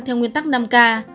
theo nguyên tắc năm k